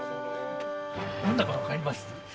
何だか分かります？